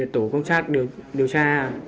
tổ công sát điều tra